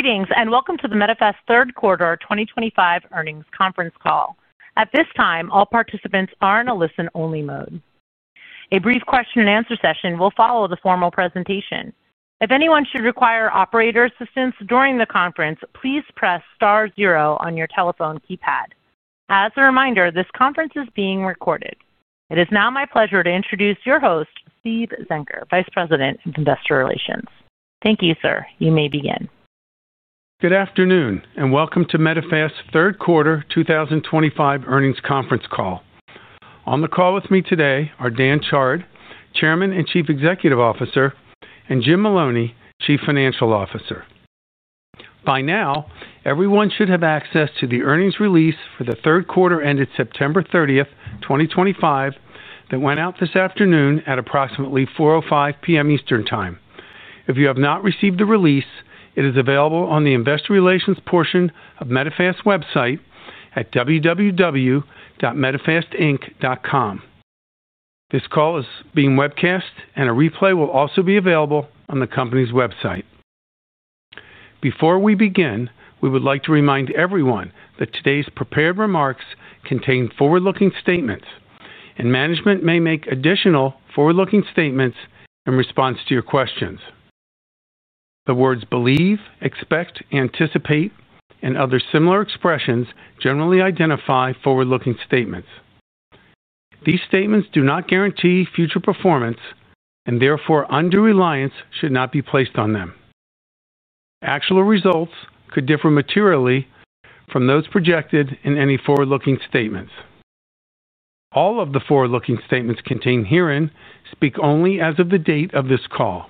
Greetings and welcome to the Medifast Third Quarter 2025 earnings conference call. At this time, all participants are in a listen-only mode. A brief question-and-answer session will follow the formal presentation. If anyone should require operator assistance during the conference, please press star zero on your telephone keypad. As a reminder, this conference is being recorded. It is now my pleasure to introduce your host, Steve Zenker, Vice President of Investor Relations. Thank you, sir. You may begin. Good afternoon and welcome to Medifast Third Quarter 2025 earnings conference call. On the call with me today are Dan Chard, Chairman and Chief Executive Officer, and Jim Maloney, Chief Financial Officer. By now, everyone should have access to the earnings release for the third quarter ended September 30, 2025, that went out this afternoon at approximately 4:05 P.M. Eastern Time. If you have not received the release, it is available on the Investor Relations portion of Medifast's website at www.medifastinc.com. This call is being webcast, and a replay will also be available on the company's website. Before we begin, we would like to remind everyone that today's prepared remarks contain forward-looking statements, and management may make additional forward-looking statements in response to your questions. The words believe, expect, anticipate, and other similar expressions generally identify forward-looking statements. These statements do not guarantee future performance, and therefore undue reliance should not be placed on them. Actual results could differ materially from those projected in any forward-looking statements. All of the forward-looking statements contained herein speak only as of the date of this call.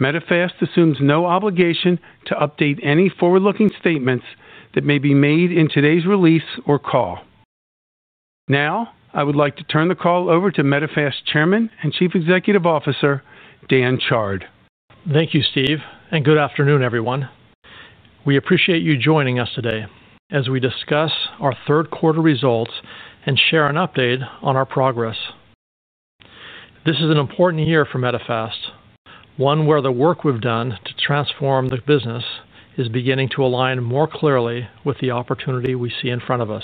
Medifast assumes no obligation to update any forward-looking statements that may be made in today's release or call. Now, I would like to turn the call over to Medifast Chairman and Chief Executive Officer, Dan Chard. Thank you, Steve, and good afternoon, everyone. We appreciate you joining us today as we discuss our third quarter results and share an update on our progress. This is an important year for Medifast, one where the work we've done to transform the business is beginning to align more clearly with the opportunity we see in front of us.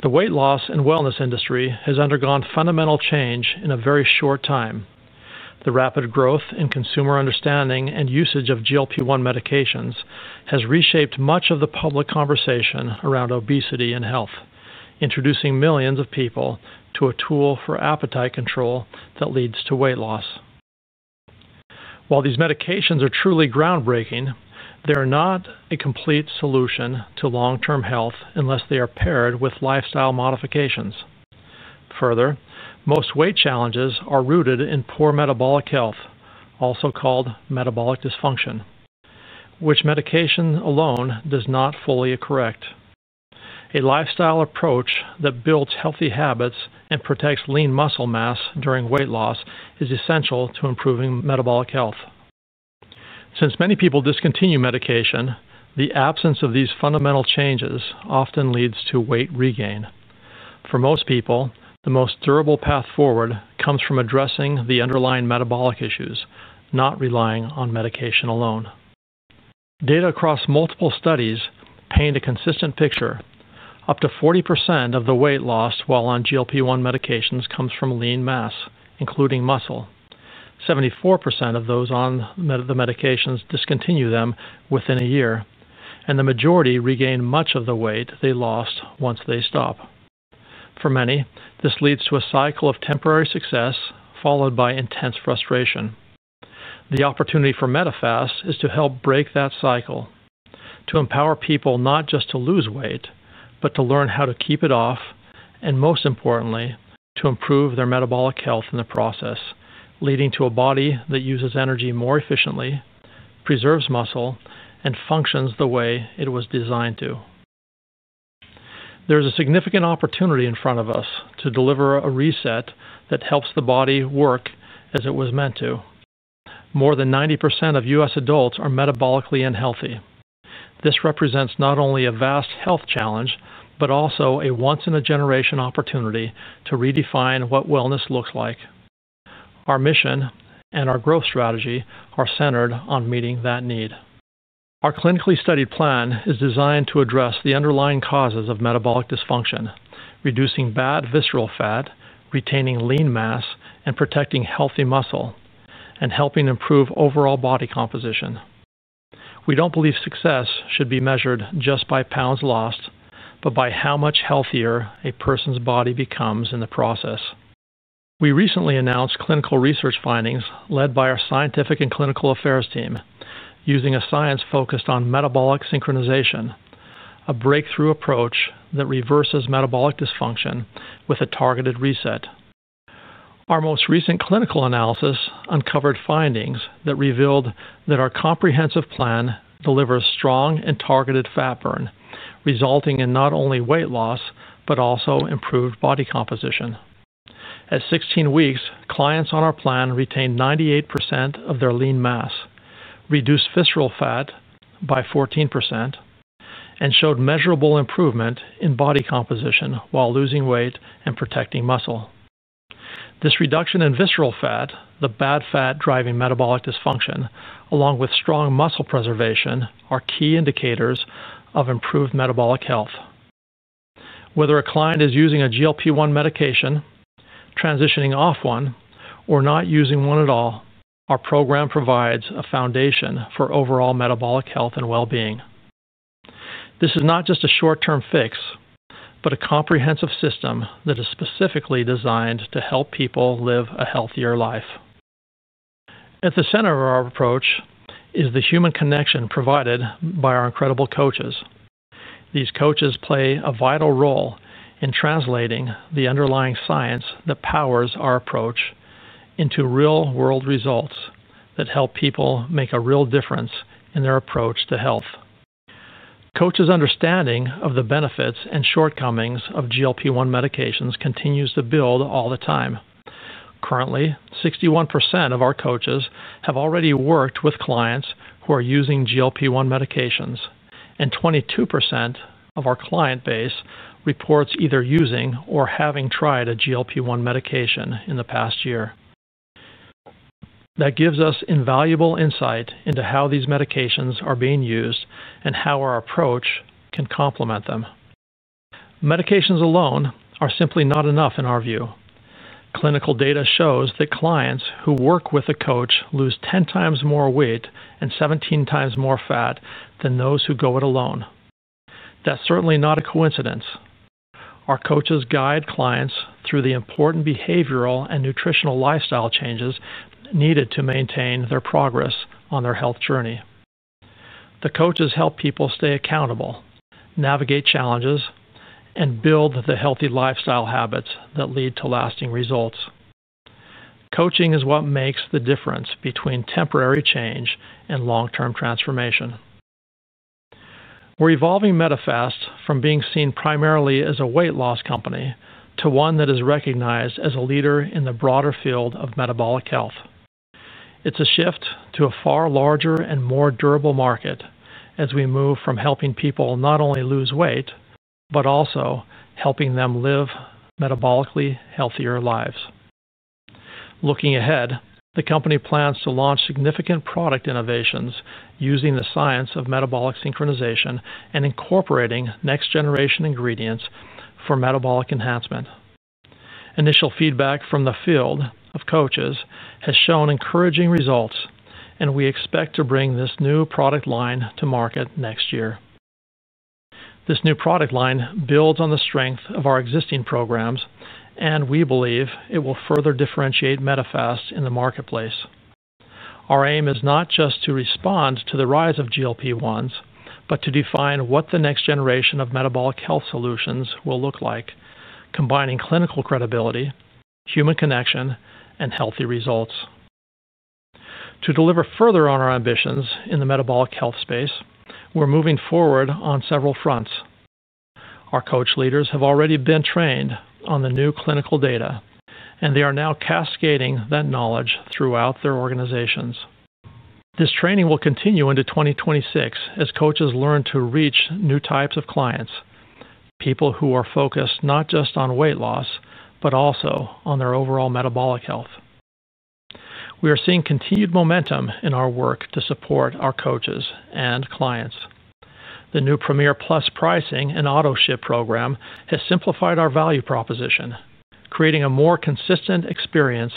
The weight loss and wellness industry has undergone fundamental change in a very short time. The rapid growth in consumer understanding and usage of GLP-1 medications has reshaped much of the public conversation around obesity and health, introducing millions of people to a tool for appetite control that leads to weight loss. While these medications are truly groundbreaking, they are not a complete solution to long-term health unless they are paired with lifestyle modifications. Further, most weight challenges are rooted in poor metabolic health, also called Metabolic Dysfunction, which medication alone does not fully correct. A lifestyle approach that builds healthy habits and protects lean muscle mass during weight loss is essential to improving metabolic health. Since many people discontinue medication, the absence of these fundamental changes often leads to weight regain. For most people, the most durable path forward comes from addressing the underlying metabolic issues, not relying on medication alone. Data across multiple studies paint a consistent picture. Up to 40% of the weight lost while on GLP-1 medications comes from lean mass, including muscle. 74% of those on the medications discontinue them within a year, and the majority regain much of the weight they lost once they stop. For many, this leads to a cycle of temporary success followed by intense frustration. The opportunity for Medifast is to help break that cycle, to empower people not just to lose weight, but to learn how to keep it off, and most importantly, to improve their metabolic health in the process, leading to a body that uses energy more efficiently, preserves muscle, and functions the way it was designed to. There is a significant opportunity in front of us to deliver a reset that helps the body work as it was meant to. More than 90% of U.S. adults are metabolically unhealthy. This represents not only a vast health challenge but also a once-in-a-generation opportunity to redefine what wellness looks like. Our mission and our growth strategy are centered on meeting that need. Our clinically studied plan is designed to address the underlying causes of Metabolic Dysfunction, reducing bad visceral fat, retaining lean mass, and protecting healthy muscle, and helping improve overall body composition. We don't believe success should be measured just by pounds lost, but by how much healthier a person's body becomes in the process. We recently announced clinical research findings led by our scientific and clinical affairs team using a science focused on metabolic synchronization, a breakthrough approach that reverses Metabolic Dysfunction with a targeted reset. Our most recent clinical analysis uncovered findings that revealed that our comprehensive plan delivers strong and targeted fat burn, resulting in not only weight loss but also improved body composition. At 16 weeks, clients on our plan retained 98% of their lean mass, reduced visceral fat by 14%, and showed measurable improvement in body composition while losing weight and protecting muscle. This reduction in visceral fat, the bad fat driving Metabolic Dysfunction, along with strong muscle preservation, are key indicators of improved metabolic health. Whether a client is using a GLP-1 medication, transitioning off one, or not using one at all, our program provides a foundation for overall metabolic health and well-being. This is not just a short-term fix but a comprehensive system that is specifically designed to help people live a healthier life. At the center of our approach is the human connection provided by our incredible coaches. These coaches play a vital role in translating the underlying science that powers our approach into real-world results that help people make a real difference in their approach to health. Coaches' understanding of the benefits and shortcomings of GLP-1 medications continues to build all the time. Currently, 61% of our coaches have already worked with clients who are using GLP-1 medications, and 22% of our client base reports either using or having tried a GLP-1 medication in the past year. That gives us invaluable insight into how these medications are being used and how our approach can complement them. Medications alone are simply not enough in our view. Clinical data shows that clients who work with a coach lose 10 times more weight and 17 times more fat than those who go it alone. That's certainly not a coincidence. Our coaches guide clients through the important behavioral and nutritional lifestyle changes needed to maintain their progress on their health journey. The coaches help people stay accountable, navigate challenges, and build the healthy lifestyle habits that lead to lasting results. Coaching is what makes the difference between temporary change and long-term transformation. We're evolving Medifast from being seen primarily as a weight loss company to one that is recognized as a leader in the broader field of metabolic health. It's a shift to a far larger and more durable market as we move from helping people not only lose weight but also helping them live metabolically healthier lives. Looking ahead, the company plans to launch significant product innovations using the science of metabolic synchronization and incorporating next-generation ingredients for metabolic enhancement. Initial feedback from the field of coaches has shown encouraging results, and we expect to bring this new product line to market next year. This new product line builds on the strength of our existing programs, and we believe it will further differentiate Medifast in the marketplace. Our aim is not just to respond to the rise of GLP-1s but to define what the next generation of metabolic health solutions will look like, combining clinical credibility, human connection, and healthy results. To deliver further on our ambitions in the metabolic health space, we're moving forward on several fronts. Our coach leaders have already been trained on the new clinical data, and they are now cascading that knowlEDGE throughout their organizations. This training will continue into 2026 as coaches learn to reach new types of clients, people who are focused not just on weight loss but also on their overall metabolic health. We are seeing continued momentum in our work to support our coaches and clients. The new Premier Plus pricing and auto-ship program has simplified our value proposition, creating a more consistent experience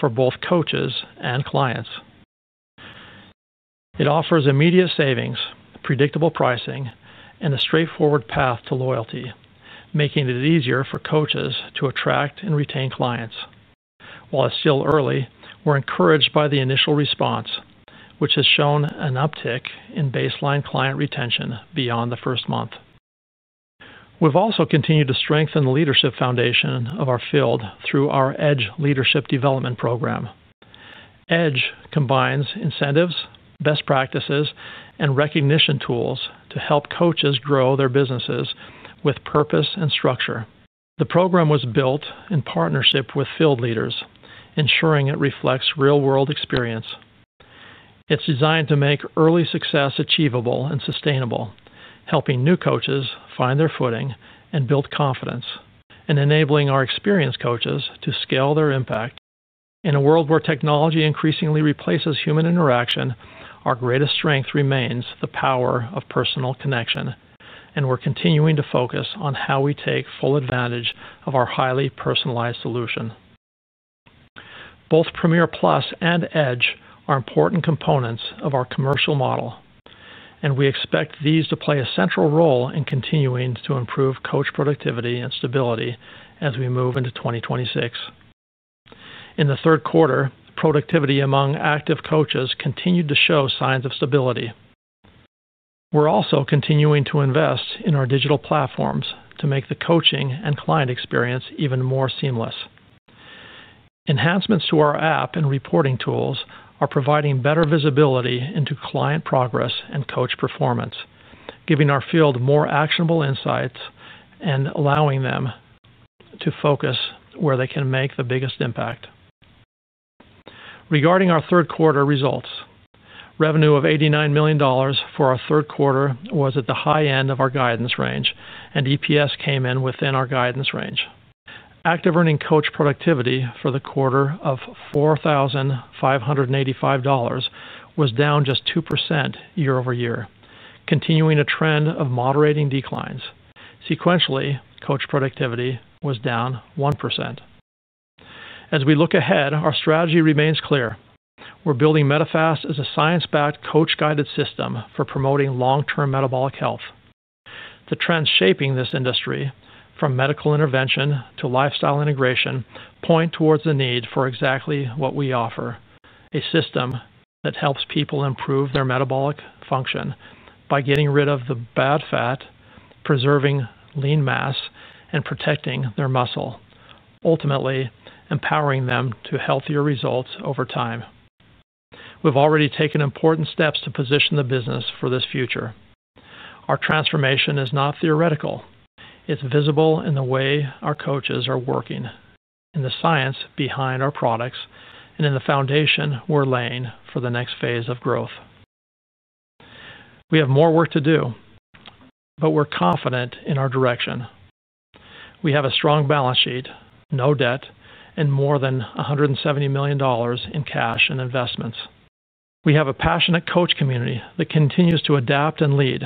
for both coaches and clients. It offers immediate savings, predictable pricing, and a straightforward path to loyalty, making it easier for coaches to attract and retain clients. While it's still early, we're encouraged by the initial response, which has shown an uptick in baseline client retention beyond the first month. We've also continued to strengthen the leadership foundation of our field through our EDGE Leadership Development Program. EDGE combines incentives, best practices, and recognition tools to help coaches grow their businesses with purpose and structure. The program was built in partnership with field leaders, ensuring it reflects real-world experience. It's designed to make early success achievable and sustainable, helping new coaches find their footing and build confidence, and enabling our experienced coaches to scale their impact. In a world where technology increasingly replaces human interaction, our greatest strength remains the power of personal connection, and we're continuing to focus on how we take full advantage of our highly personalized solution. Both Premier Plus and EDGE are important components of our commercial model, and we expect these to play a central role in continuing to improve coach productivity and stability as we move into 2026. In the third quarter, productivity among active coaches continued to show signs of stability. We're also continuing to invest in our digital platforms to make the coaching and client experience even more seamless. Enhancements to our app and reporting tools are providing better visibility into client progress and coach performance, giving our field more actionable insights and allowing them to focus where they can make the biggest impact. Regarding our third quarter results, revenue of $89 million for our third quarter was at the high end of our guidance range, and EPS came in within our guidance range. Active earning coach productivity for the quarter of $4,585 was down just 2% year-over-year, continuing a trend of moderating declines. Sequentially, coach productivity was down 1%. As we look ahead, our strategy remains clear. We're building Medifast as a science-backed coach-guided system for promoting long-term metabolic health. The trends shaping this industry, from medical intervention to lifestyle integration, point towards the need for exactly what we offer: a system that helps people improve their metabolic function by getting rid of the bad fat, preserving lean mass, and protecting their muscle, ultimately empowering them to healthier results over time. We've already taken important steps to position the business for this future. Our transformation is not theoretical. It's visible in the way our coaches are working, in the science behind our products, and in the foundation we're laying for the next phase of growth. We have more work to do. We're confident in our direction. We have a strong balance sheet, no debt, and more than $170 million in cash and investments. We have a passionate coach community that continues to adapt and lead,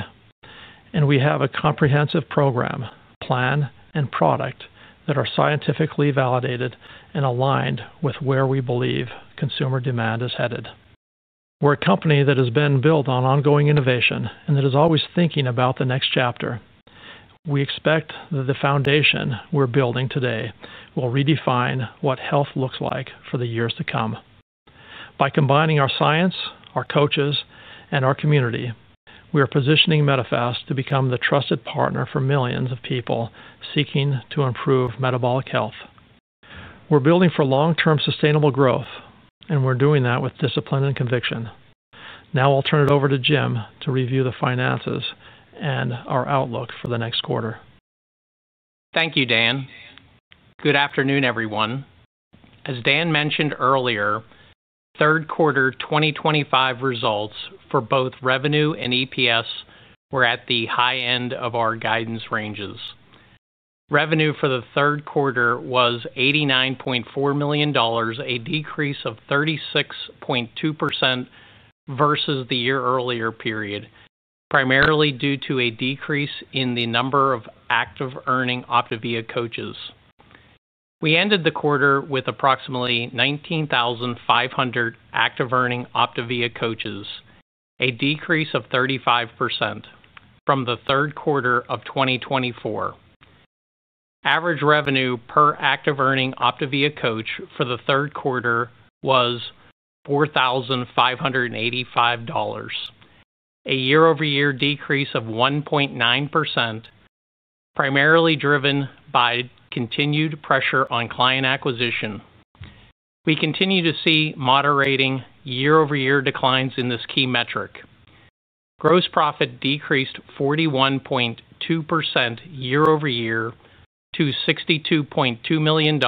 and we have a comprehensive program, plan, and product that are scientifically validated and aligned with where we believe consumer demand is headed. We're a company that has been built on ongoing innovation and that is always thinking about the next chapter. We expect that the foundation we're building today will redefine what health looks like for the years to come. By combining our science, our coaches, and our community, we are positioning Medifast to become the trusted partner for millions of people seeking to improve metabolic health. We're building for long-term sustainable growth, and we're doing that with discipline and conviction. Now I'll turn it over to Jim to review the finances and our outlook for the next quarter. Thank you, Dan. Good afternoon, everyone. As Dan mentioned earlier, third quarter 2025 results for both revenue and EPS were at the high end of our guidance ranges. Revenue for the third quarter was $89.4 million, a decrease of 36.2% versus the year earlier period, primarily due to a decrease in the number of active earning OPTAVIA coaches. We ended the quarter with approximately 19,500 active earning OPTAVIA coaches, a decrease of 35% from the third quarter of 2024. Average revenue per active earning OPTAVIA coach for the third quarter was $4,585, a year-over-year decrease of 1.9%, primarily driven by continued pressure on client acquisition. We continue to see moderating year-over-year declines in this key metric. Gross profit decreased 41.2% year-over-year to $62.2 million,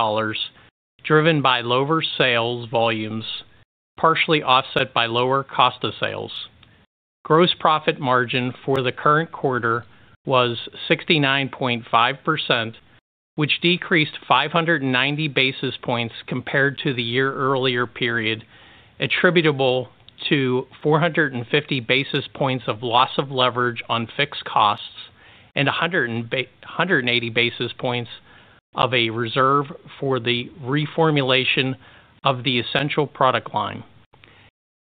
driven by lower sales volumes, partially offset by lower cost of sales. Gross profit margin for the current quarter was 69.5%, which decreased 590 basis points compared to the year earlier period, attributable to 450 basis points of loss of leverage on fixed costs and 180 basis points of a reserve for the reformulation of the Essential product line.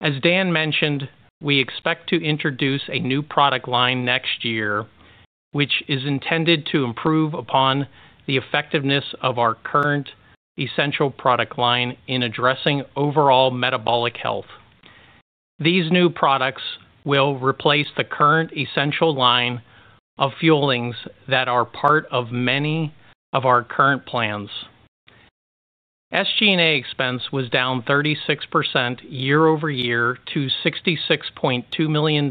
As Dan mentioned, we expect to introduce a new product line next year, which is intended to improve upon the effectiveness of our current Essential product line in addressing overall metabolic health. These new products will replace the current Essential line of fuelings that are part of many of our current plans. SG&A expense was down 36% year-over-year to $66.2 million,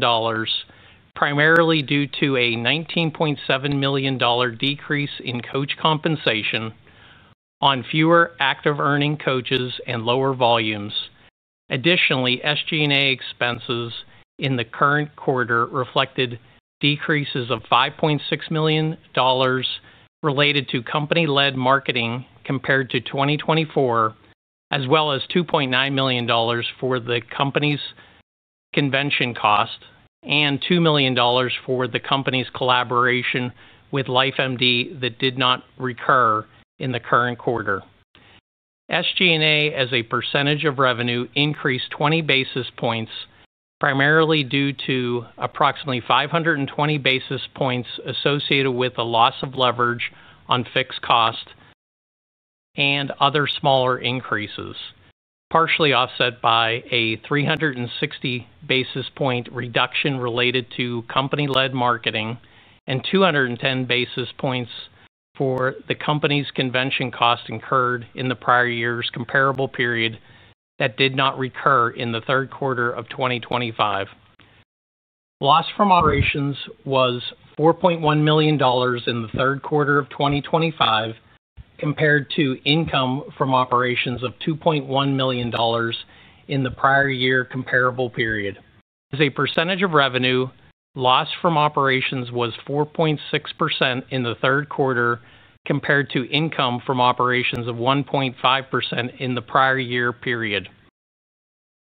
primarily due to a $19.7 million decrease in coach compensation on fewer active earning coaches and lower volumes. Additionally, SG&A expenses in the current quarter reflected decreases of $5.6 million related to company-led marketing compared to 2024, as well as $2.9 million for the company's convention cost and $2 million for the company's collaboration with LifeMD that did not recur in the current quarter. SG&A, as a percentage of revenue, increased 20 basis points, primarily due to approximately 520 basis points associated with the loss of leverage on fixed cost and other smaller increases, partially offset by a 360 basis point reduction related to company-led marketing and 210 basis points for the company's convention cost incurred in the prior year's comparable period that did not recur in the third quarter of 2025. Loss from operations was $4.1 million in the third quarter of 2025 compared to income from operations of $2.1 million in the prior year comparable period. As a percentage of revenue, loss from operations was 4.6% in the third quarter compared to income from operations of 1.5% in the prior year period.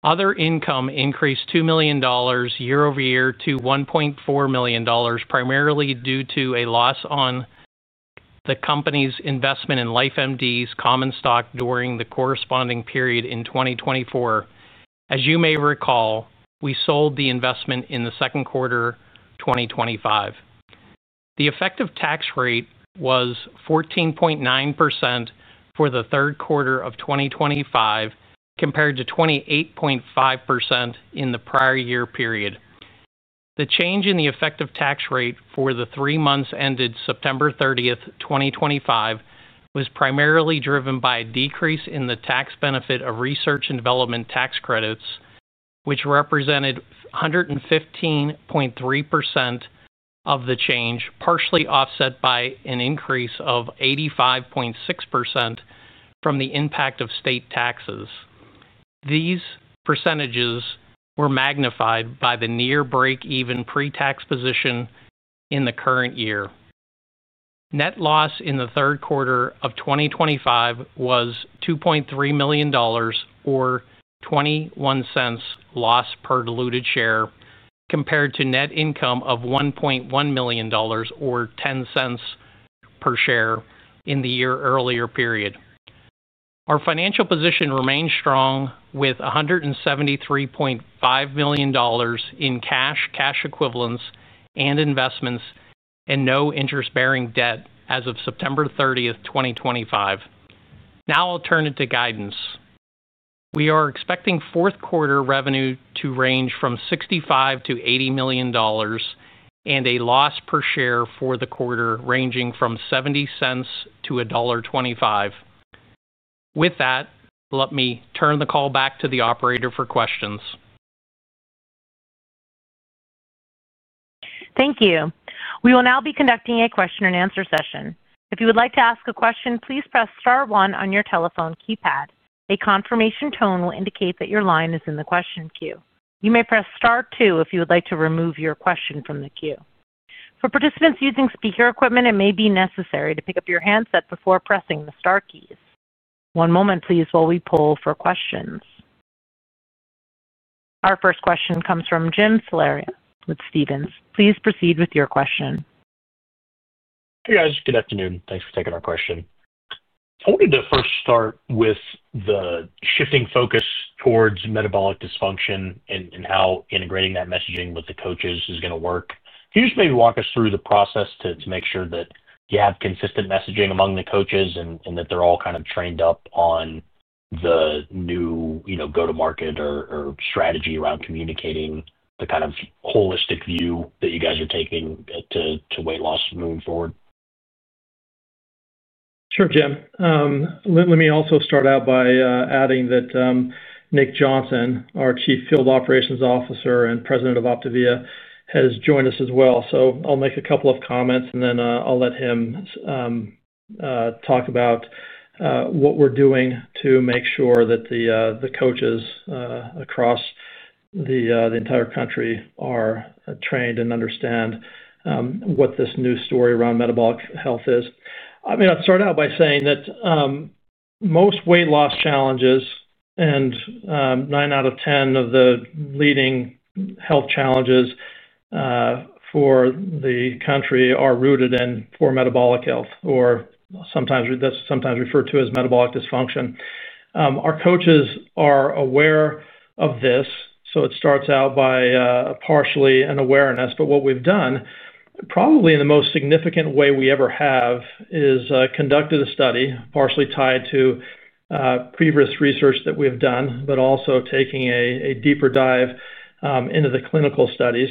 Other income increased $2 million year-over-year to $1.4 million, primarily due to a loss on the company's investment in LifeMD's common stock during the corresponding period in 2024. As you may recall, we sold the investment in the second quarter 2025. The effective tax rate was 14.9% for the third quarter of 2025 compared to 28.5% in the prior year period. The change in the effective tax rate for the three months ended September 30, 2025, was primarily driven by a decrease in the tax benefit of research and development tax credits, which represented 115.3% of the change, partially offset by an increase of 85.6% from the impact of state taxes. These percentages were magnified by the near-break-even pre-tax position in the current year. Net loss in the third quarter of 2025 was $2.3 million, or $0.21 loss per diluted share, compared to net income of $1.1 million, or $0.10 per share in the year earlier period. Our financial position remained strong with $173.5 million in cash, cash equivalents, and investments, and no interest-bearing debt as of September 30, 2025. Now I'll turn it to guidance. We are expecting fourth-quarter revenue to range from $65-$80 million and a loss per share for the quarter ranging from $0.70-$1.25. With that, let me turn the call back to the operator for questions. Thank you. We will now be conducting a question-and-answer session. If you would like to ask a question, please press star one on your telephone keypad. A confirmation tone will indicate that your line is in the question queue. You may press star two if you would like to remove your question from the queue. For participants using speaker equipment, it may be necessary to pick up your handset before pressing the star keys. One moment, please, while we pull for questions. Our first question comes from Jim Salera with Stephens. Please proceed with your question. Hey, guys. Good afternoon. Thanks for taking our question. I wanted to first start with the shifting focus towards Metabolic Dysfunction and how integrating that messaging with the coaches is going to work. Can you just maybe walk us through the process to make sure that you have consistent messaging among the coaches and that they're all kind of trained up on the new go-to-market or strategy around communicating the kind of holistic view that you guys are taking to weight loss moving forward? Sure, Jim. Let me also start out by adding that Nick Johnson, our Chief Field Operations Officer and President of OPTAVIA, has joined us as well. I'll make a couple of comments, and then I'll let him talk about what we're doing to make sure that the coaches across the entire country are trained and understand what this new story around metabolic health is. I mean, I'll start out by saying that most weight loss challenges and nine out of ten of the leading health challenges for the country are rooted in poor metabolic health, or that's sometimes referred to as Metabolic Dysfunction. Our coaches are aware of this, so it starts out by partially an awareness. What we've done, probably in the most significant way we ever have, is conducted a study partially tied to previous research that we've done, but also taking a deeper dive into the clinical studies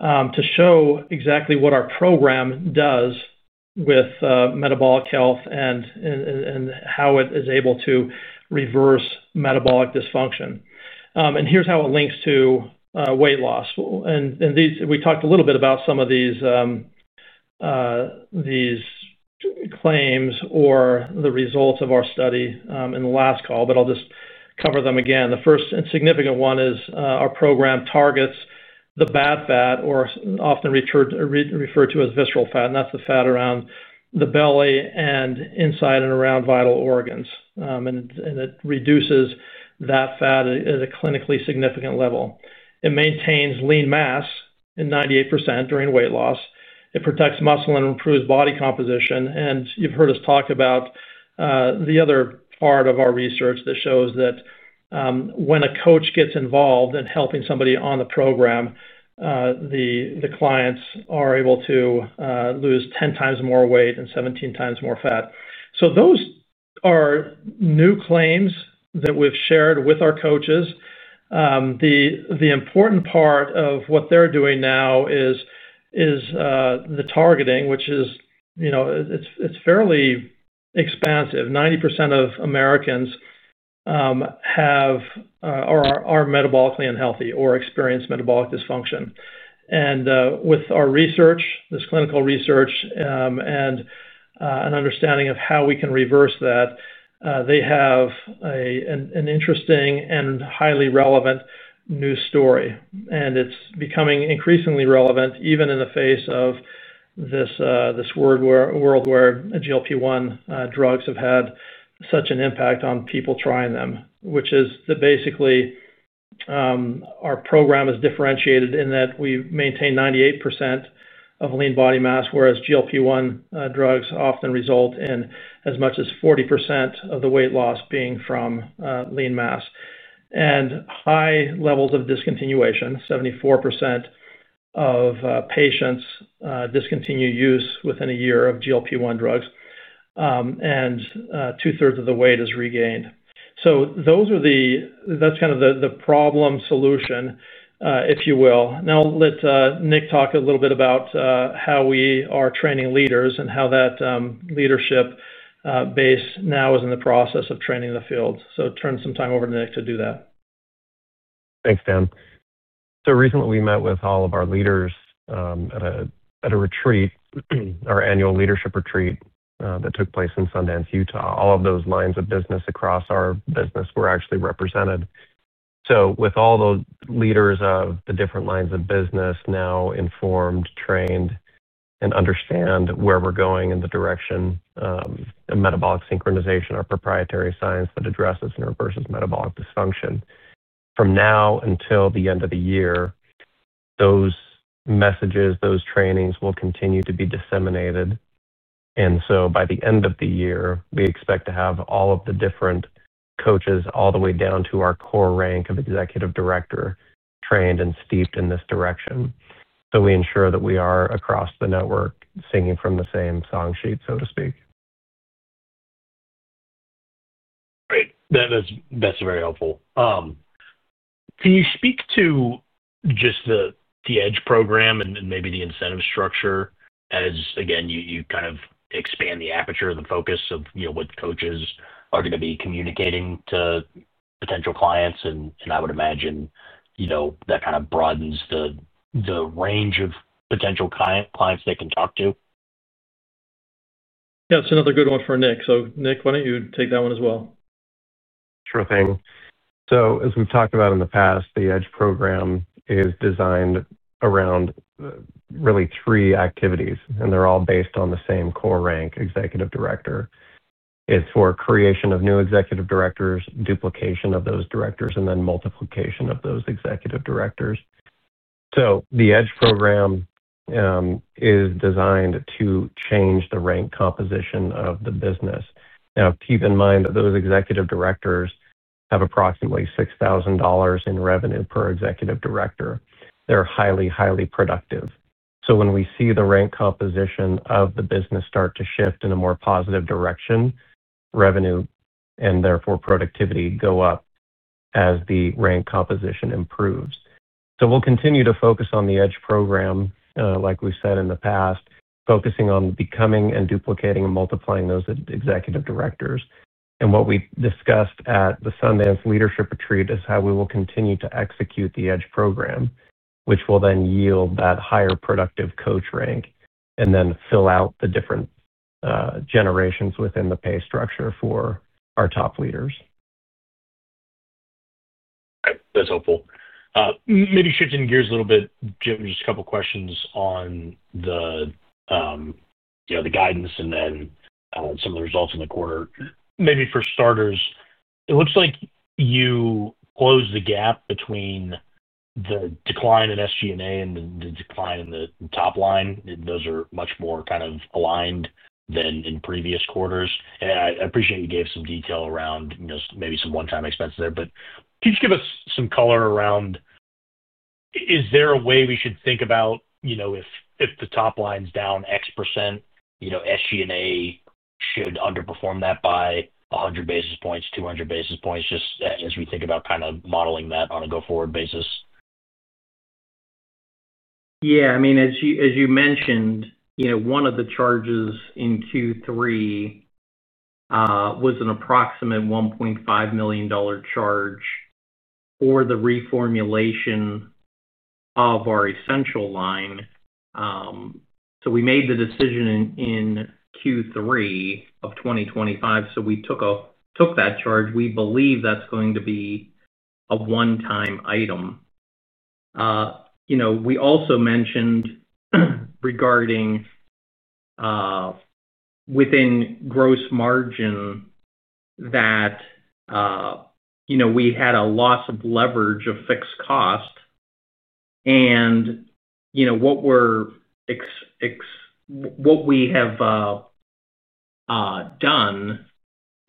to show exactly what our program does with metabolic health and how it is able to reverse Metabolic Dysfunction. Here's how it links to weight loss. We talked a little bit about some of these claims or the results of our study in the last call, but I'll just cover them again. The first and significant one is our program targets the bad fat, or often referred to as visceral fat, and that's the fat around the belly and inside and around vital organs. It reduces that fat at a clinically significant level. It maintains lean mass in 98% during weight loss. It protects muscle and improves body composition. You've heard us talk about the other part of our research that shows that when a coach gets involved in helping somebody on the program, the clients are able to lose 10 times more weight and 17 times more fat. Those are new claims that we've shared with our coaches. The important part of what they're doing now is the targeting, which is fairly expansive. 90% of Americans are metabolically unhealthy or experience Metabolic Dysfunction. With our research, this clinical research, and an understanding of how we can reverse that, they have an interesting and highly relevant new story. It's becoming increasingly relevant even in the face of this world where GLP-1 drugs have had such an impact on people trying them, which is that basically our program is differentiated in that we maintain 98% of lean body mass, whereas GLP-1 drugs often result in as much as 40% of the weight loss being from lean mass and high levels of discontinuation. 74% of patients discontinue use within a year of GLP-1 drugs, and two-thirds of the weight is regained. That's kind of the problem-solution, if you will. Now let Nick talk a little bit about how we are training leaders and how that leadership base now is in the process of training the field. Turn some time over to Nick to do that. Thanks, Dan. Recently we met with all of our leaders at a retreat, our annual leadership retreat that took place in Sundance, Utah. All of those lines of business across our business were actually represented. With all the leaders of the different lines of business now informed, trained, and understanding where we're going in the direction of metabolic synchronization, our proprietary science that addresses and reverses Metabolic Dysfunction. From now until the end of the year, those messages, those trainings will continue to be disseminated. By the end of the year, we expect to have all of the different coaches all the way down to our core rank of executive director trained and steeped in this direction. We ensure that we are across the network singing from the same song sheet, so to speak. Great. That's very helpful. Can you speak to just the EDGE program and maybe the incentive structure as, again, you kind of expand the aperture of the focus of what coaches are going to be communicating to potential clients? I would imagine that kind of broadens the range of potential clients they can talk to? Yeah, that's another good one for Nick. So Nick, why don't you take that one as well? Sure thing. As we've talked about in the past, the EDGE program is designed around really three activities, and they're all based on the same core rank, Executive Director. It's for creation of new Executive Directors, duplication of those directors, and then multiplication of those Executive Directors. The EDGE program is designed to change the rank composition of the business. Now, keep in mind that those Executive Directors have approximately $6,000 in revenue per Executive Director. They're highly, highly productive. When we see the rank composition of the business start to shift in a more positive direction, revenue and therefore productivity go up as the rank composition improves. We'll continue to focus on the EDGE program. Like we said in the past, focusing on becoming and duplicating and multiplying those Executive Directors. What we discussed at the Sundance leadership retreat is how we will continue to execute the EDGE program, which will then yield that higher productive coach rank and then fill out the different generations within the pay structure for our top leaders. That's helpful. Maybe shifting gears a little bit, Jim, just a couple of questions on the guidance and then some of the results in the quarter. Maybe for starters, it looks like you closed the gap between the decline in SG&A and the decline in the top line. Those are much more kind of aligned than in previous quarters. I appreciate you gave some detail around maybe some one-time expenses there. Can you just give us some color around, is there a way we should think about if the top line's down X percent, SG&A should underperform that by 100 basis points, 200 basis points, just as we think about kind of modeling that on a go-forward basis? Yeah. I mean, as you mentioned, one of the charges in Q3 was an approximate $1.5 million charge for the reformulation of our Essential line. So we made the decision in Q3 of 2025, so we took that charge. We believe that's going to be a one-time item. We also mentioned regarding within gross margin that we had a loss of leverage of fixed cost. And what we have done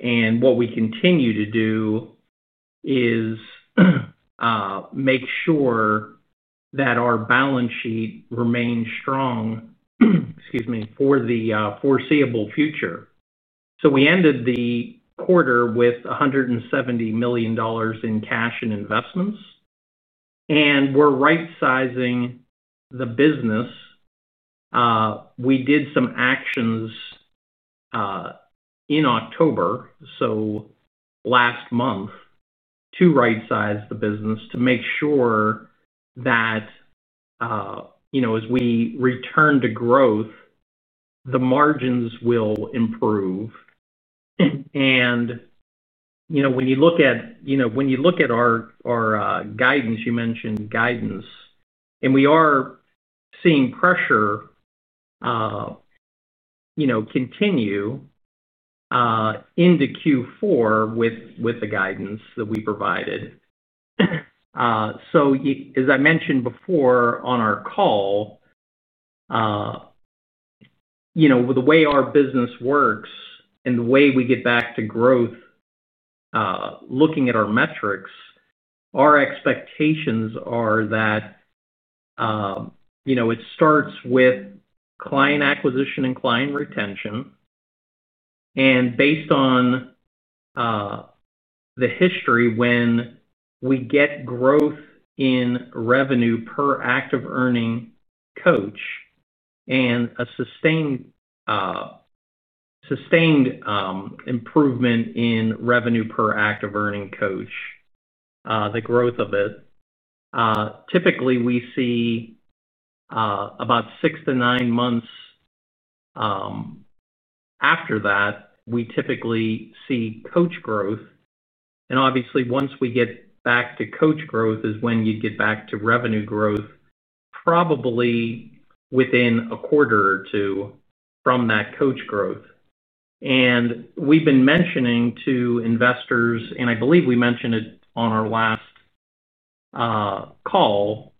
and what we continue to do is make sure that our balance sheet remains strong, excuse me, for the foreseeable future. We ended the quarter with $170 million in cash and investments, and we're right-sizing the business. We did some actions in October, so last month, to right-size the business to make sure that as we return to growth, the margins will improve. When you look at our guidance, you mentioned guidance, and we are seeing pressure continue into Q4 with the guidance that we provided. As I mentioned before on our call, the way our business works and the way we get back to growth, looking at our metrics, our expectations are that it starts with client acquisition and client retention. Based on the history, when we get growth in revenue per active earning coach and a sustained improvement in revenue per active earning coach, the growth of it, typically we see about six to nine months after that, we typically see coach growth. Obviously, once we get back to coach growth is when you get back to revenue growth, probably within a quarter or two from that coach growth. We've been mentioning to investors, and I believe we mentioned it on our last call,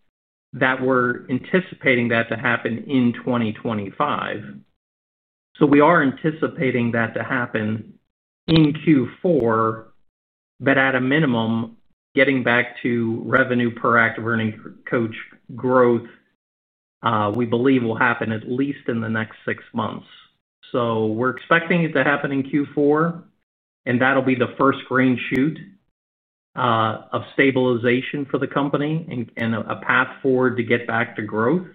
that we're anticipating that to happen in 2025. We are anticipating that to happen in Q4, but at a minimum, getting back to revenue per active earning coach growth, we believe will happen at least in the next six months. We're expecting it to happen in Q4, and that'll be the first green shoot of stabilization for the company and a path forward to get back to growth.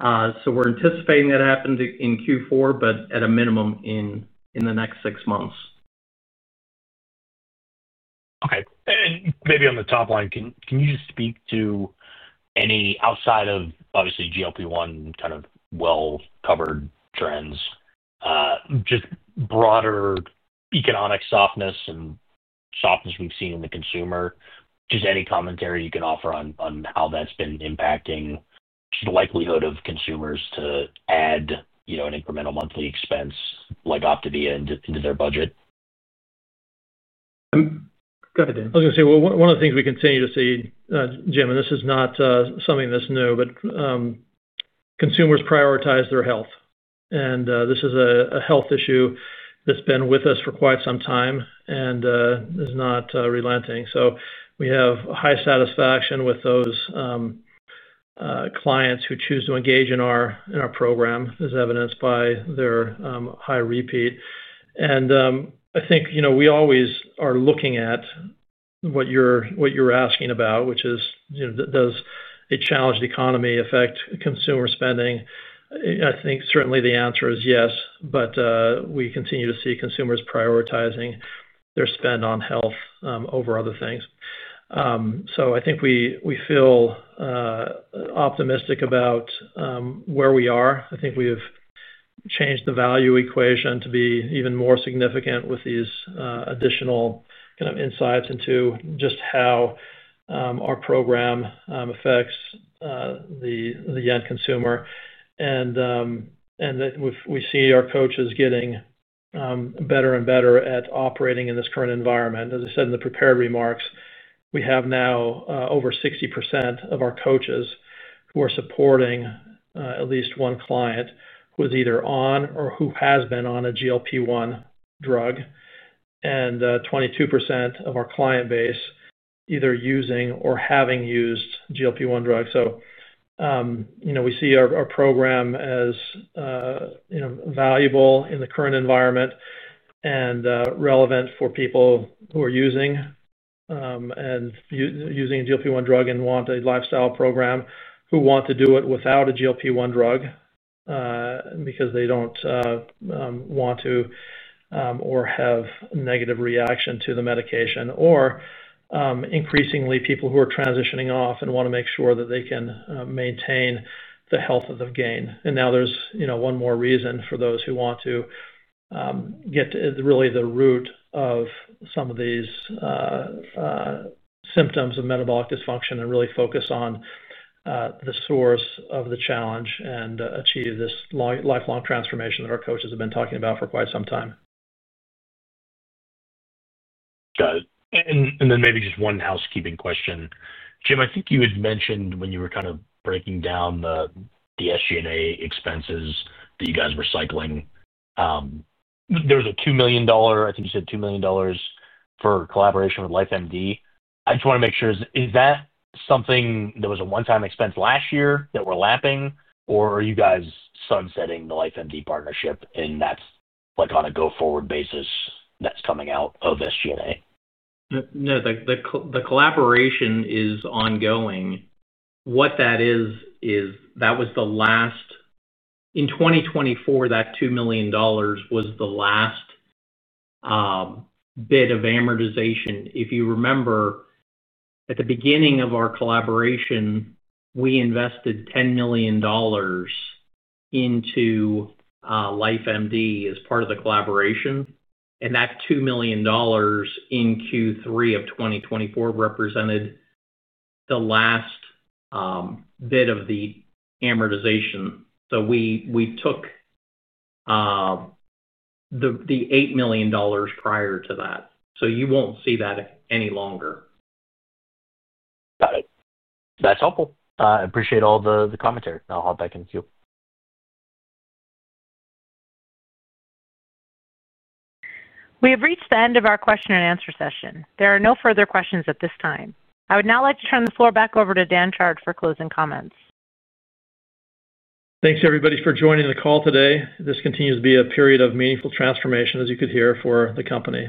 We're anticipating that happened in Q4, but at a minimum in the next six months. Okay. Maybe on the top line, can you just speak to any, outside of obviously GLP-1 kind of well-covered trends, just broader economic softness and softness we've seen in the consumer? Just any commentary you can offer on how that's been impacting the likelihood of consumers to add an incremental monthly expense like OPTAVIA into their budget? Go ahead, Dan. I was going to say, one of the things we continue to see, Jim, and this is not something that's new, but consumers prioritize their health. This is a health issue that's been with us for quite some time and is not relenting. We have high satisfaction with those clients who choose to engage in our program, as evidenced by their high repeat. I think we always are looking at what you're asking about, which is, does a challenged economy affect consumer spending? I think certainly the answer is yes, but we continue to see consumers prioritizing their spend on health over other things. I think we feel optimistic about where we are. I think we've changed the value equation to be even more significant with these additional kind of insights into just how our program affects the end consumer. We see our coaches getting better and better at operating in this current environment. As I said in the prepared remarks, we have now over 60% of our coaches who are supporting at least one client who is either on or who has been on a GLP-1 drug. 22% of our client base either using or having used GLP-1 drugs. We see our program as valuable in the current environment and relevant for people who are using a GLP-1 drug and want a lifestyle program, who want to do it without a GLP-1 drug because they don't want to or have a negative reaction to the medication, or increasingly people who are transitioning off and want to make sure that they can maintain the health of the gain. Now there's one more reason for those who want to get to really the root of some of these symptoms of Metabolic Dysfunction and really focus on the source of the challenge and achieve this lifelong transformation that our coaches have been talking about for quite some time. Got it. And then maybe just one housekeeping question. Jim, I think you had mentioned when you were kind of breaking down the SG&A expenses that you guys were cycling. There was a $2 million, I think you said $2 million. For collaboration with LifeMD. I just want to make sure, is that something that was a one-time expense last year that we're lapping, or are you guys sunsetting the LifeMD partnership, and that's on a go-forward basis that's coming out of SG&A? No, the collaboration is ongoing. What that is, is that was the last. In 2024, that $2 million was the last bit of amortization. If you remember, at the beginning of our collaboration, we invested $10 million into LifeMD as part of the collaboration. And that $2 million in Q3 of 2024 represented the last bit of the amortization. So we took the $8 million prior to that. You won't see that any longer. Got it. That's helpful. I appreciate all the commentary. I'll hop back in with you. We have reached the end of our question and answer session. There are no further questions at this time. I would now like to turn the floor back over to Dan Chard for closing comments. Thanks, everybody, for joining the call today. This continues to be a period of meaningful transformation, as you could hear, for the company.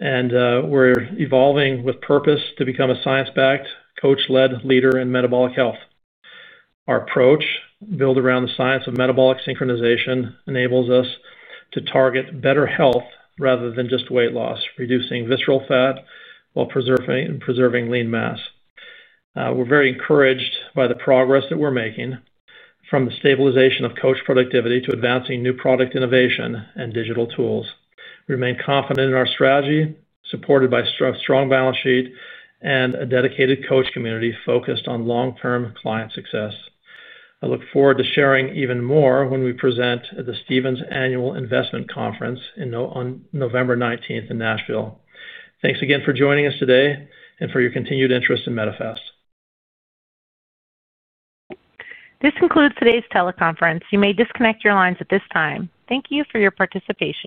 We are evolving with purpose to become a science-backed, coach-led leader in metabolic health. Our approach, built around the science of metabolic synchronization, enables us to target better health rather than just weight loss, reducing visceral fat while preserving lean mass. We are very encouraged by the progress that we are making, from the stabilization of coach productivity to advancing new product innovation and digital tools. We remain confident in our strategy, supported by a strong balance sheet and a dedicated coach community focused on long-term client success. I look forward to sharing even more when we present at the Stephens Annual Investment Conference on November 19th in Nashville. Thanks again for joining us today and for your continued interest in Medifast. This concludes today's teleconference. You may disconnect your lines at this time. Thank you for your participation.